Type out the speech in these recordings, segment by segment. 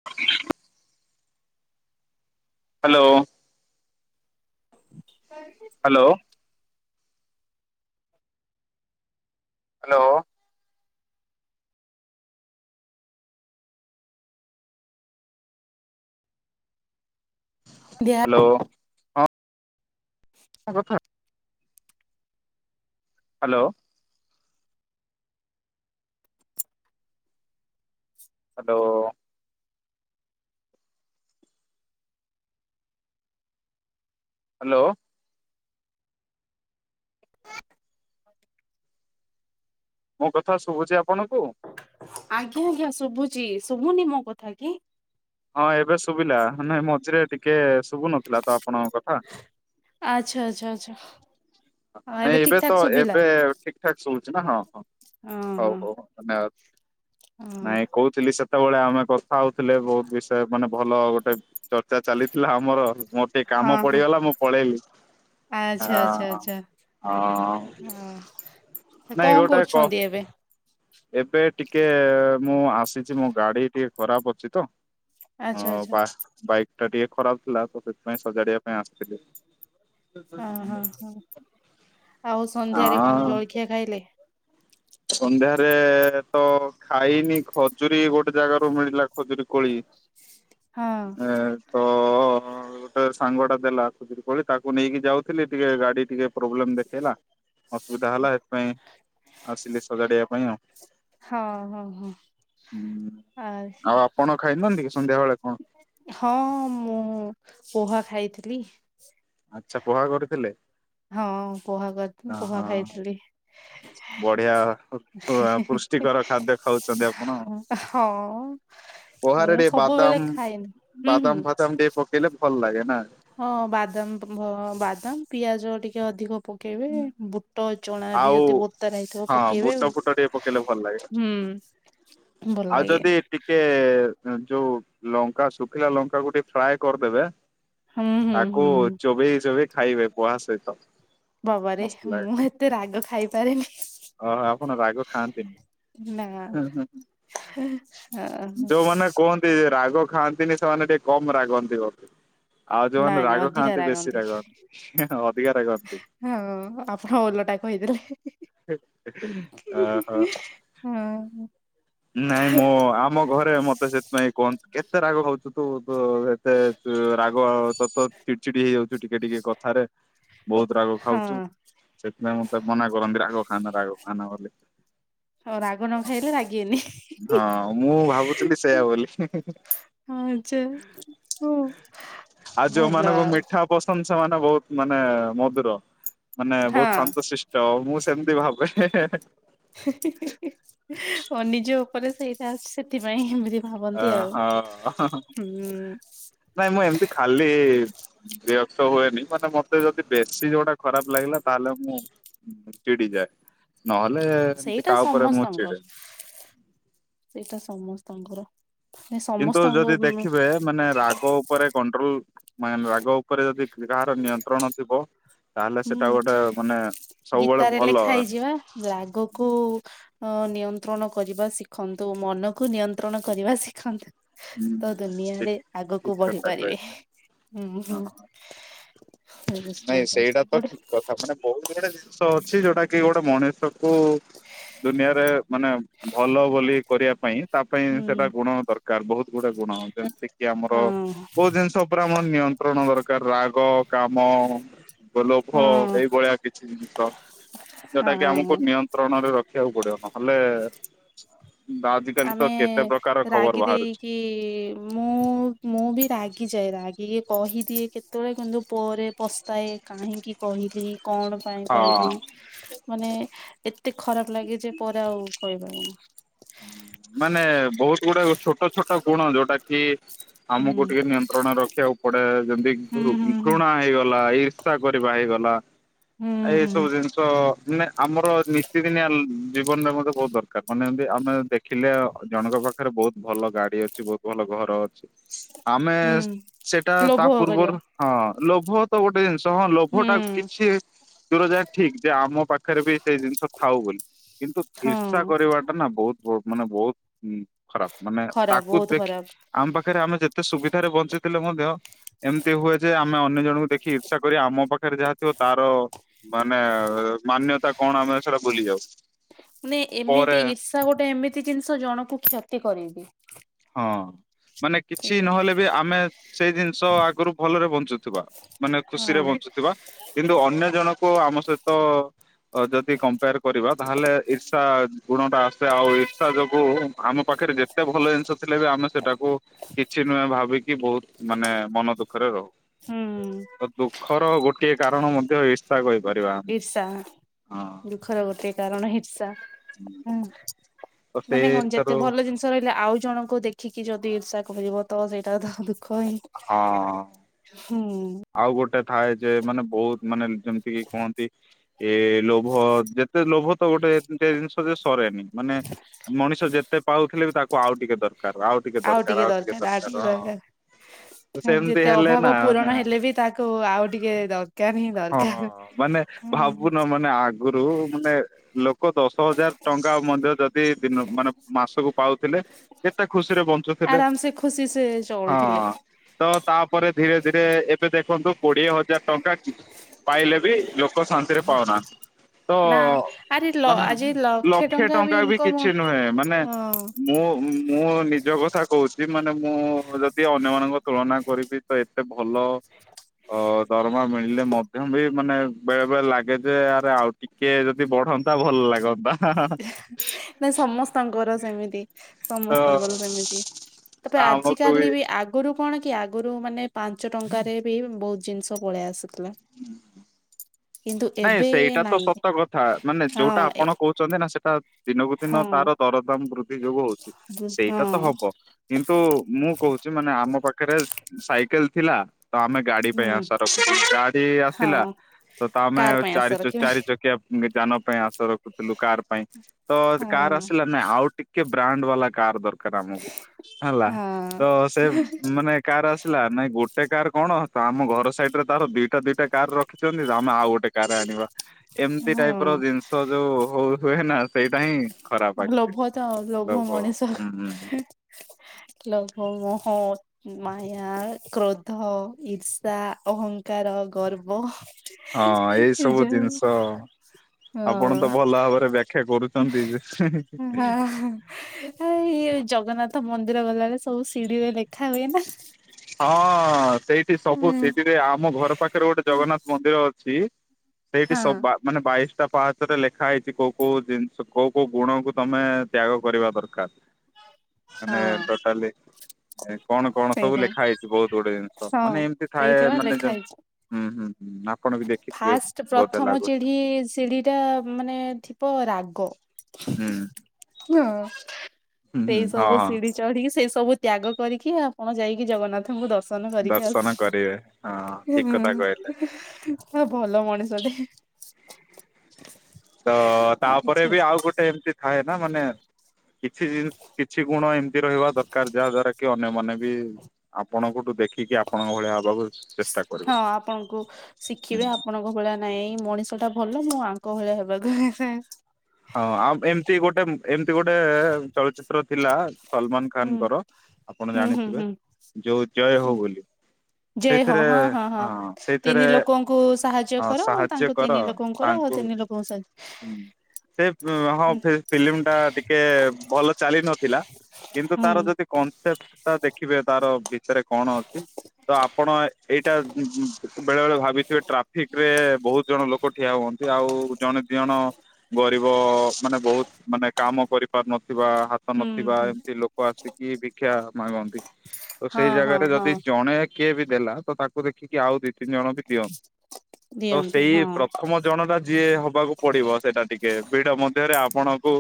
[inaudible] Hello. କା [unintelligible] hello. Hello. ନ୍ଧ୍ୟା hello. Hello. Hello. Hello. ମୋ କଥା ଶୁଭୁଛି ଆପଣଙ୍କୁ? ଆଜ୍ଞା ଆଜ୍ଞା ଶୁଭୁଛିି ଶୁଭୁନି ମୋ କଥା କି? ହଁ ଏବେ ଶୁଭିଲା ନାଇ ମଝିରେ ଟିକେ ଶୁଭୁ ନଥିଲା ତ ଆପଣଙ୍କ କଥା। ଆଚ୍ଛା ଆଚ୍ଛା ଆଚ୍ଛା। ହଁ ନାଇଁ ଠିକ୍ ଏବେ ତ ଠାକ୍ ଶୁଭିଲା। ଏବେ ଠିକ ଠିକଠାକ୍ ଶୁଭୁଛି ନା ହଁ ହଁ ହଁ ହଉ ହଁ। ହଉ ଧନ୍ୟବାଦ ହଁ ନାଇଁ କଉ ଥିଲି ସେତେବେଳେ ଆମେ କଥା ହଉଥିଲେ ବହୁତ ବିଷୟ ମାନେ ଭଲ ଗୋଟେ ଚର୍ଚା ଚାଲିଥିଲା ଆମର ମୋ ଟିକେ କାମ ହଁ ହଁ ପଡିଗଲା ମୁଁ ପଳେଇଲି ଆଚ୍ଛା ଆଚ୍ଛା ହଁ ଆଚ୍ଛା ହଁ ନାଇଁ ଗୋଟା କହ କେବେ? ଏବେ ଟିକେ ମୁଁ ଆସିଛି ମୋ ଗାଡି ଟିକେ ଖରାପ ଅଛି ତ। ଆଚ୍ଛା ହଁ ଆଚ୍ଛା ବା ବାଇକ୍ ଟା ଟିକେ ଖରାପ ଥିଲା ତ ସେଥିପାଇଁ ସଜାଡିବା ପାଇଁ ଆସିଥିଲି। ଅଁ ହଁ ହଁ ଆଉ ସନ୍ଧ୍ୟାରେ ହଁ କଣ ଜଳଖିଆ ଖାଇଲେ? ସନ୍ଧ୍ୟାରେ ତ ଖାଇନି ଖଜୁରୀ ଗୋଟେ ଜାଗାରୁ ମିଳିଲା ଖଜୁରୀ କୋଳି ହଁ ଏଁ ତ ମୋର ଗୋଟେ ସାଙ୍ଗ ଟା ଦେଲା ଖଜୁରି କୋଳି ତାକୁ ନେଇକି ଯାଉଥିଲି ଟିକେ ଗାଡି ଟିକେ ପ୍ରୋବ୍ଲେମ ଦେଖେଇଲା। ଅସୁବିଧା ହେଲା ସେଥିପାଇଁ ଆସିଲି ସଜାଡିବା ପାଇଁ ଆଉ। ହଁ ହଁ ହଁ ଆ ଆଉ ଆପଣ ଖାଇନାହାଁନ୍ତି କି ସନ୍ଧ୍ୟାବେେଳେ କଣ? ହଁ ମୁଁ ପୋହା ଖାଇଥିଲି। ଆଚ୍ଛା ପୋହା କରିଥିଲେ। ହଁ ପୋହା କର ମୁଁ ପହା ଅହଁ ଖାଇଥିଲି। ବଢିଆ ହି ହି ହି ପୃଷ୍ଟିକର ଖାଦ୍ୟ ଖାଉଛନ୍ତି ଆପଣ। ହଁ ପୋହାରେ ମୁଁ ଟିକେ ସବୁବେଳେ ବାଦାମ ଖାଏନି ହୁଁ ହୁଁ। ବାଦାମ ଟିକେ ପକେଇଲେ ଭଲ ଲାଗେ ନା? ହଁ ବାଦାମ ପ ବାଦାମ ପିଆଜ ଟିକେ ଅଧିକ ପ ପକେଇବେ ବୁଟ ଚଣା ବି ଆଉ ଯଦି ବତାରା ହେଇଥିବ ହଁ ପକେଇବେ। ବୁଟ ଫୁଟ ଟିକେ ପକେଇଲେ ଭଲ ଲାଗେ। ହୁଁ ଭଲ ଆଉ ଲାଗେ ଯଦି ଟିକେ ଯୋଉ ଲଙ୍କା ଶୁଖିଲା ଲଙ୍କା କୁ ଟିକେ ଫ୍ରାଏ କରିଦେବେ ହୁଁ ହୁଁ ତାକୁ ହୁଁ ଚୋବେଇ ଚୋବେଇ ଖାଇବେ ପହା ସହିତ। ବାବାରେ ମସ୍ତ ଲାଗେ। ମୁଁ ଏତେ ରାଗ ଖାଇପାରେନି। ଓହୋ ଆପଣ ରାଗ ନା ଖାଆନ୍ତିନି। ନାଇଁ ଯୋଉମାନେ କୁହନ୍ତି ରାଗ ଖାଆନ୍ତିନି ସେମାନେ ଟିକେ କମ ରାଗନ୍ତି ବୋଧେ। ଆଉ ଯୋଉମାନେ ନାଇଁ ରାଗ ଅଧିକା ଖାଆନ୍ତି ବେଶୀ ରାଗନ୍ତି ରାଗନ୍ତି ଅଧିକା ରାଗନ୍ତି। ହଁ ଆପଣ ଓଲଟା କହିଦେଲେ। ହେ ଓହୋ। ହଁ। ନାଇଁ ମୋ ଆମ ଘରେ ମତେ ସେଥିପାଇଁ କୁହନ୍ତୁ କେତେ ରାଗ ହଉଛୁ ତୁ ତୋ ସେ ଏତେ ରାଗ ତତ ଚିଡିଚିଡି ହେଇଯାଉଚୁ ଟିକେ ଟିକେ କଥାରେ ବହୁତ ରାଗ ହଁ ଖାଉଚୁ ସେଥିପାଇଁ ମତେ ମନା କରନ୍ତି ରାଗ ଖାଆ ନା ରାଗ ଖାଆ ନା ବୋଲି। ହଉ ରାଗ ନଅ, ଖାଇଲେ ରାଗିବେନି। ହଁ ମୁଁ ଭାବୁଥିଲି ସେୟା ବୋଲି। ହଁ ଆଚ୍ଛା ଭଲ ଆଉ। ପ୍ରଶଂସା ମାନେ ବହୁତ ମାନେ ମଧୁର। ମାନେ ବହୁତ ହଁ ଶାନ୍ତଶିଷ୍ଟ ମୁଁ ସେମିତି ଭାବେ। ଓ ନିଜ ଉପରେ ସେଇଟା ସେଥିପାଇଁ ଏମିତି ଭାବନ୍ତି ଆଉ ହୁଁ। ନାଇଁ, ମୁଁ ଏମ୍ତି ଖାଲି‌। ବିରକ୍ତ ହୁଏନି, ମାନେ ମତେ ଯଦି ବେଶୀ ଯୋଉଟା ଖରାପ ଲାଗିଲା, ତାହେଲେ ମୁଁ ଚିଡି ଯାଏ ନହେଲେ ଏମିତି ସେଇଟା କାହା ଉପରେ ମୁଁ ସମସ୍ତଙ୍କ ଚିଡେନି। ସେଇଟା ସମସ୍ତଙ୍କର। ନାଇ କିନ୍ତୁ ସମସ୍ତଙ୍କ ଯଦି ହୁଁ ଦେଖିବେ, ମାନେ ରାଗପ ଉପରେ କଣ୍ଟ୍ରୋଲ ମେନ୍ ରାଗ ଉପରେ ଯଦି କାହାର ନିୟନ୍ତ୍ରଣ ଥିବ। ତାହେଲେ ସେଟା ଗୋଟେ ମାନେ ସବୁବେଳେ ଗୀତାରେ ଭଲ। ଲେଖା ରାଗକୁ। ହଁ ନିୟନ୍ତ୍ରଣ କରିବା ଶିଖନ୍ତୁ ମନକୁ ନିୟନ୍ତ୍ରଣ କରିବା ଶିଖନ୍ତୁ। ତ ଦୁନିଆରେ ଠିକ୍ ଆଗକୁ ଠିକ୍ କଥା ବଢିପାରିବେ କହିଲେ। ହୁଁ ହୁଁ। ହଁ ହରେ କୃଷ୍ଣା କହିଛନ୍ତି। ଗୋଟେ ଠିକ୍ କଥା, ମାନେ ବହୁତ ଗୁଡେ ଜିନିଷ ଅଛି, ଯୋଉଟା କି ଗୋଟେ ମଣିଷ କୁ ଦୁନିଆରେ ମାନେ ଭଲ ବୋଲି କରିବା ପାଇଁ ତା ପାଇଁ ସେଟା ହୁଁ ଗୁଣ ଦରକାର ବହୁତ ଗୁଡା ଗୁଣ, ଯେମିତି କିି ଆମର ହଁ କୋଉ ଜିନିଷ ଉପରେ ଆମର ନିୟନ୍ତ୍ରଣ ଦରକାର, ରାଗ, କାମ। ବେଲୋଭ ହଁ ଏଇଭଳିଆ କିଛି ଜିନିଷ, ଯୋଉଟା କି ଆମକୁ ହଁ ନିୟନ୍ତ୍ରଣ ରେ ରଖିବାକୁ ପଡିବ, ନହେଲେ ବାଜିକାଲି ତ କେତେ ପ୍ରକାର ଖବର ବାହାରୁଚି। କି ମୁଁ ମୁଁ ବି ରାଗିଯାଏ, ରାଗିକି କହିଦିଏ କେତେବେଳେ, କିନ୍ତୁ ପରେ ପସ୍ ସ୍ତାଏ କାହିଁକି କହିଲି କଣ? ପାଇଁ ହଁ କହିଲି ମାନେ ଏତେ ଖରାପ ଲାଗେ ଯେ ପରେ ଆଉ କହିପାରୁ ନାହିଁ। ମାନେ ବହୁତ ଗୁଡା ଛୋଟ ଛୋଟ ଗୁଣ, ଯୋଉଟା କି ଆମକୁ ଟିକେ ନିଅନ୍ତ ଘୃଣା ରଖିବାକୁ ପଡେ, ଯେମିତି ହୁଁ ଘୁ ହୁଁ ହୁଁ ଘୃଣା ହେଇଗଲା ଇର୍ଷା କରିବା ହେଇଗଲା। ହୁଁ ହୁଁ ଏଇସବୁ ଜିନିଷ ମାନେ ଆମର ନିତିି ଦିନିଆ ଜୀବନରେ ମଧ୍ଯ ବହୁତ ଦରକାର। ମାନେ ଆମେ ଦେଖିଲେ ଜଣଙ୍କ ପାଖରେ ବହୁତ ଭଲ ଗାଡି ଅଛି ବହୁତ ଭଲ ଘର ଅଛି। ଆମେ ହୁଁ ସେଟା ତା ଲୋଭ କରିବା ପୂର୍ବରୁ ହଁ ଲୋଭତ ତ ଗୋଟେ ଜିନିଷ ହଁ ହୁଁ ଲୋଭଟା କିଛି ଦୁର ଯାଏ ଠିକ୍, ଯେ ଆମ ପାଖରେ ବି ସେଇ ଜିନିଷ ଥାଉ ବୋଲି। କିନ୍ତୁ ଇର୍ଷା ହଁ। କରିବା ବର ନା ବହୁତ ବ ମାନେ ବହୁତ ଖରାପ ମାନେ ଖରାପ ତାକୁ ବହୁତ ଦେଖି ଖରାପ ଆମେ ପାଖରେ ଆମେ ଯେତେ ସୁବିଧାରେ ବଞ୍ଚିଥିଲେ ମଧ୍ୟ ଏମିତି ହୁଏ ଯେ ଆମେ ଅନ୍ୟ ଜଣଙ୍କୁ ଦେଖି ଇର୍ଷା କରି, ଆମ ପାଖରେ ଯାହା ଥିବ ତାର ମାନେ ମାନ୍ୟତା କଣ ଆମେ ସେଟା ଭୁଲି ଯାଉ। ମାନେ ଏମିତି ପରେ ଇର୍ଷା ଗୋଟେ ଏମିତି ଜିନିଷ ଜଣକୁ କ୍ଷତି କରେଇ ଦିଏ। ହଁ ମାନେ କିଛି ନହେଲେ ବି ଆମେ ସେଇ ଜିନିଷ ଆଗରୁ ଭଲରେ ବଞ୍ଚୁଥିବା। ମାନେ ହଁ ଖୁସିରେ ବଞ୍ଚୁଥିବା, କିନ୍ତୁ ଅନ୍ୟ ଜଣଙ୍କୁ ଆମ ସହିତ ଅ ଯଦି କମ୍ପେୟାର କରିବା, ତାହେଲେ ଈର୍ଷା ଗୁଣ ଟା ଆସେ ଆଉ ଇର୍ଷା ଯୋଗୁ ଆମ ପାଖରେ ଯେ ତେ ଭଲ ଜିନିଷ। ଥିଲେ ବି ଆମେ ସେଟାକୁ କିଛି ନୁହେଁ ଭାବିକି ବହୁତ ମାନେ ମନ ଦୁଃଖରେ ରହୁ। ହୁଁ। ଦୁଃଖର ଗୋଟିଏ କାରଣ ମଧ୍ୟ ଈର୍ଷା କହି ଇର୍ଷା ଦୁଃଖର ଗୋଟିଏ କାରଣ ଇର୍ଷା। ହୁଁ। ମାନେ ହଁ ଯେତେ ଭଲ ଜିନି ସ ରହିଲା ଆଉ ଜଣଙ୍କୁ ଦେଖିକି ଯଦି ଇର୍ଷା କରିବ ତ ସେଇଟା ତ ଦୁଃଖ ହିଁ। ହଁ। ହୁଁ। ଆଉ ଗୋଟେ ଥାଏ ଯେ ମାନେ ବହୁତ ମାନେ ଯେମିତି କି କୁହନ୍ତି ଏ ଲୋଭ ଯେତେ ଲୋଭ ତ ଗୋଟେ ଏମିତିଆ ଜିନିଷ ଯେ ସରେନି ମାନେ ମଣିଷ ଯେତେ ଜେତେ ପାଉଥିଲେ ବି ତାକୁ ଆଉ ଟିକେ ଦରକାର ଆଉ ଆଉ ଟିକେ ଦରକାର ଆଉ ଟିକେ ଦରକାର ସେମିତି ଯେତେ ହେଲେ ନା ଅଭାବ ମାନେ ପୂରଣ ହେଲେ ବି ତାକୁ ଆଉ ଟିକେ ଦରକାର ହିଁ ହଁ ଦରକାର ହୁଁ। ଗୁରୁ ମାନେ ଲୋକ ଦଶ ହଜାର ଟଙ୍କା ମଧ୍ୟ ଯଦି ଦି ଦିନ ମାନେ ମାସକୁ ପାଉଥିଲେ ଏତେ ଖୁସିରେ ବଞ୍ଚୁଥିଲେ। ସେୟା ହଁ। ଚଳୁଥିଲେ। ତ ତାପରେ ଧୀରେ ଧୀରେ ଏ ଏବେ ଦେଖନ୍ତୁ କୋଡିଏ ହଜାର ଟଙ୍କା ପାଇଲେ ବି ଲୋକ ଶାନ୍ତିରେ ପାଉନାହାନ୍ତି। ତ ନା ଆରେ ଲ ମାନେ ଆଜି ଲକ୍ଷେ ଟଙ୍କା ବି ଇନକମ କିଛି ନୁହେଁ ମାନେ ହଁ ମୁଁ ମୁଁ ନିଜ କଥା କହୁଛି ମାନେ ମୁଁ ଯଦି ଅନ୍ୟମାନଙ୍କ ତୁଳନା କରିବି ତ ଏତେ ଭଲ [inaudible] ହ ଦରମା ମିଳିଲେ ମଧ୍ୟ ବି ମାନେ ବେଳେ ବେଳେ ଲାଗେ ଯେ ଆରେ ଆଉ ଟିକ କିଏ ଯଦି ବଢନ୍ତା ଭଲ ଲାଗନ୍ତା। ନାଇଁ ସମସ୍ତଙ୍କର ସେମିତି ତ ସମସ୍ତଙ୍କର ସେମିତି। ତ ଆଜିିକାଲି ବି ଆଗ ଆଗରୁ କଣ କି ଆଗରୁ ମାନେ ପାଞ୍ଚ ଟଙ୍କାରେ ବି ବହୁତ ଜିନିଷ ପଳେଇ ଆସ ଥିଲା। ନାଇଁ ସେଇଟା ତ ସତ କଥା ମାନେ ଯୋଉଟା ହଁ ଆପଣ କହୁ ଛନ୍ତି ନା ସେଟା ଦିନକୁ ହଁ ଦିନ ତାର ଦରଦାମ ବୃଦ୍ଧି ଯୋଗୁ ହଉଛି ହଁ ସେଇଟା ତ ହବ। କିନ୍ତୁ ମୁଁ କହୁଛି ମାନେ ଆମ ପାଖରେ ସାଇକେଲ ଥିଲା ତ ଆମେ ଗାଡି ପାଇଁ ହୁଁ। ଆସା ରଖୁଥିଲୁ ଗାଡି ଆସିଲା ହଁ ତ ଆମେ କାର ପାଇଁ ଚାରି ଆଶା ଚକ ରଖିବା ଚାରି ଚକ ଯାନ ପାଇଁ ଆଶା ରଖୁଥିଲୁ କାର ପାଇଁ ତ ହଁ କାର ଆସିଲା ନାାଇଁ ଆଉ ଟିକେ କେ ବ୍ରାଣ୍ଡ ବାଲା କାର ଦରକାର ଆମକୁ ହେଲା ତ ହଁ ସେ ମାନେ କାର ଆସିଲା ନାଇଁ ଗୋଟେ କାର କଣ ତ ଆମ ଘର ସାଇଡ ରେ ତାର ଦିଟା ଦିଟା କାର ରଖିଛନ୍ତି ଆଉ ଗୋଟେ କର ଆଣିବା ଏମିତି ହଁ। ଟାଇପ ର ଜିନିଷ ଯୋଉ ହଉ ହୁଏ ନା ସେଇଟା ହିଁ ଖରାପ ଆକ୍ଚୁଆଲି ଲୋଭ ତ ଲୋଭ ମଣିଷ ହୁଁ ହୁଁ। ଲୋଭ ହୁଏ ହଁ। ମାୟା କ୍ରୋଧ ଈର୍ଷା ଅହଙ୍କାର ଗର୍ବ। ହଁ ଏଇ ଏ ସବୁ ଯୋଉ ଜିନିଷ ଆପଣ ତ ହଁ ଭଲ ଭାବରେ ବ୍ୟାଖ୍ୟା କରୁଛନ୍ତି ଯେ। [inaudible] ଆ ଇଏ ଜଗନ୍ନାଥ ମନ୍ଦିର ଗଲାରେ ସବୁ ଶିଡିିରେ ଲେଖା ହୁଏ ନା। ହଁ ସେଇଠି ସବୁ ହୁଁ ସେଥିରେ ଆମ ଘର ପାଖରେ ଗୋଟେ ଜଗନ୍ନାଥ ମନ୍ଦିର ଅଛି ସେଇଠି ହଁ ସବା ମାନେ ବାଇଶ ଟା ପାହାଚ ରେ ଲେଖା ହେଇଛି କୋଉ କୋଉ ଜିନିଷ କୋଉ କୋଉ ଗୁଣକୁ ତମେ ତ୍ୟାଗ କରିବା ଦରକାର। ମାନେ ହଁ ଟୋଟାଲି କଣ କଣ ସବୁ ସେଇଟା ଲେ ଖାଇଥିବ ଗୁଡେ ଜିନିଷ। ହଁ ମାନେ ଏମିତି ଥାଏ ସେଇଠି ବା ମାନେ, ଲେଖା ହେଇଛି ହୁଁ ହୁଁ। ଆପଣ ବି ଦେଖିଥିବେ ଫାଷ୍ଟ ବୋଧେ ପ୍ରଥମ ଲାଗୁଛି ଚିଢି- ସିଡ଼ି ଟା ମାନେ ଥିବା ରାଗ। ହୁଁ। ହଁ ହୁଁ ସେଇ ହୁଁ ହଁ ସବୁ ହଁ। ସିଡି ଚଢ଼ି କି ସେ ସବୁ ତ୍ୟାଗ କରିକି ଆପଣ ଯାଇକି ଜଗନ୍ନାଥଙ୍କୁ ଦର୍ଶ ନ କରିକି ଦର୍ଶନ କରିବେ ହଁ ଠିକ କଥା କହିଲେ ଆସି ତ ଭଲ ମଣିଷଟେ। ତ ତାପରେ ଆଚ୍ଛା ବି ଆଚ୍ଛା। ଆଉ ଗୋଟେ ଏମିତି ଥାଏ ନା ମାନେ କିଛି କିଛି ଗୁଣ ଏମିତି ରହିବା ଦରକାର ଯାହା ଦ୍ଵାରା କି ଅନ୍ୟମାନେ ବି ଆପଣଙ୍କଠୁ ଦେଖିକି ଆପଣଙ୍କ ଭଳିଆ ହବାକୁ ଚେଷ୍ଟା କରିବେ ହଁ ଆପଣଙ୍କୁ ଶିଖିବେ ଆପଣ ଭଳି ନାଇଁ ମଣିଷ ଟା ଭଲ ମୁଁ ଆଙ୍ଗ ଭଳିଆ ହେବାକୁ ହଁ ଆଉ ଏମିତି ଗୋଟେ ଏମିତି ଗୋଟେ ଚଳଚିତ୍ର ଥିଲା। ସଲମାନ ହୁଁ ଖାାନଙ୍କର ଆପଣ ହୁଁ ହୁଁ ହୁଁ ଜାଣିଥିବେ ଯୋଉ ଜୟ ହୁଁ। ହଉ ବୋଲି। ଜୟ ହୋ ସେଇଥିରେ ହଁ ହଁ ହଁ ହଁ ତିନି ଲୋକଙ୍କୁ ସାହାଯ୍ୟ ହଁ କର ଆ ସାହାଯ୍ୟ ତାଙ୍କୁ କର ତିନି ଲୋକଙ୍କୁ କର ଆଉ ତାଙ୍କୁ ତିନି ଲୋକ ହଁ ସାର୍। ହୁଁ। ସେ ହଁ ଫିଲ୍ମ ଟା ଟିକେ ଭଲ ଚାଲି ନଥିଲା। କିନ୍ତୁ ହୁଁ ତାର ଯଦି କନସେପ୍ଟ ଟା ଦେଖିବେ ତାର ଭିତରେ କଣ ଅଛି ତ ଆପଣ ଏଇଟା ବେଳେ ବେଳେ ଭାବିଥିବେ ଟ୍ରାଫିକ ରେ ବହୁତ ଜଣ ଲୋକ ଠିଆ ହୁଅନ୍ତି। ଆଉ ଜଣେ ଦି ଜଣ ଗରିବ ମାନେ ବହୁତ ମାନେ କାମ କରି ପାର ନଥିବା ହାତ ହୁଁ ନଥିବା ହୁଁ। ଏମିତି ଲୋକ ଆସିକି ଭିକ୍ଷା ମାଗନ୍ତି ତ ସେଇ ହଁ ହଁ ଜାଗାରେ ଯଦି ହଁ ଜଣେ କିଏ ବି ଦେଲା ତ ତାକୁ ଦେଖିକି ଆଉ ଦି ତିନି ଜଣ ବି ଦିଅନ୍ତି। ତ ଦିଅନ୍ତି ସେଇ ହଁ। ପ୍ରଥମ ଜଣ ଟା ଯିଏ ହବାକୁ ପଡିବ ସେଇଟା ଟିକେ ଟିକେ ଭିଡ ମଧ୍ୟରେ ଆପଣଙ୍କୁ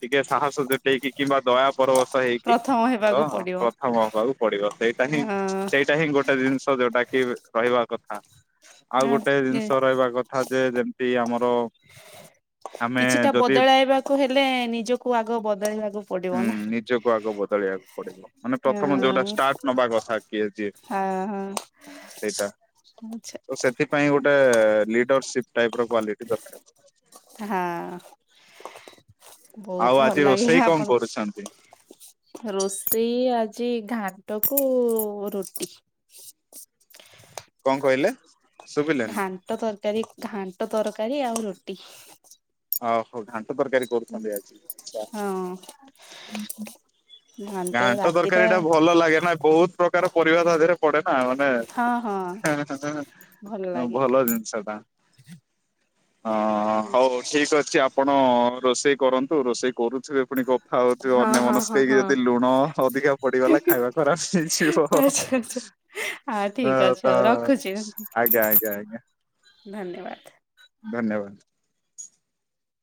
ଟିକେ ସାହସ ଯୋଟେଇକି କିମ୍ବା ଦୟା ପରବଶ ହେଇକି ପ୍ରଥମ ତ ହେବାକୁ ପଡିବ ପ୍ରଥମ ହବାକୁ ପଡିବ। ସେଇଟା ହିଁ ହଁ। ସେଇଟା ହିଁ ଗୋଟେ ଜିନିଷ ଯୋଉଟା ରହିବା କଥା। ଆଉ ଗୋଟେ ଜିନିଷ ରହିବା କଥା ଯେ ଯେମିତି ଆମର ଆମେ କିଛିଟା ଯଦି ବଦଳାଇବାକୁ ହେଲେ ନିଜକୁ ଆଗ ବଦଳେଇବାକୁ ପଡିବ। ହଁ ନା ନିଜକୁ ଆଗ ବ ଚଳିବାକୁ ପଡିବ। ମାନେ ପ୍ରଥମ ଯୋଉଟା ହଁ ଷ୍ଟାର୍ଟ ନବା କଥା କିଏ ଯିଏ ହଁ ହଁ ସେଇଟା। ଆଚ୍ଛା ତ ସେଥିପାଇଁ ଗୋଟେ ଲିଡରସିପ ଟାଇପ ର କ୍ଵାଲିଟି ଦରକାର। ହଁ, ଆଉ ବହୁତ ଆଜି ଭଲ ରୋଷେଇ ଲାଗିଲା କଣ କରୁଛନ୍ତି? ଆପଣଙ୍କ ରୋଷେଇ ଆଜି ଘାଣ୍ଟ କୁ ରୁଟି। କଣ କହିଲେ ଶୁଭିଲାନି? ଟ ତରକାରୀ ଘାଣ୍ଟ ତରକାରୀ ଆଉ ରୁଟି। ଓହୋଃ ଘାଣ୍ଟ ତରକାରୀ କରୁଛନ୍ତି ଆଜି ଆଚ୍ଛା। ହଁ ଘାଣ୍ଟ ତରକାରୀ ଟା ଭଲ ଲାଗେ ନା ବହୁତ ପ୍ରକାର ପରିବା ତା ଦେହରେ ପଡେ ନା। ମାନେ ହଁ ହଁ। ଭଲ ଲାଗେ ଭଲ ଜିନିଷ ଟା। [inaudible] ଅ ଆଛା ହଉ ଠିକ ଅଛି ଆପଣ ରୋଷେଇ କରନ୍ତୁ ରୋଷେଇ କରୁଥିବେ ପୁଣି କଥା ହଉଥିବେ ହଁ ହଁ ଅନ୍ୟମନସ୍କ ହଁ ହେଇକି, ହଁ ଯଦି ଲୁଣ ଅଧିକା ପଡିଗଲା ଖାଇବା ଖରାପ ହେଇଯିବ। ଆଚ୍ଛା ଆଚ୍ଛା ହଁ ଠିକ ତ ଅଛି ଆଉ ରଖୁଛି ଆଜ୍ଞା ଆଜ୍ଞା ଆଜ୍ଞା ଧନ୍ୟବାଦ। ଧନ୍ୟବାଦ।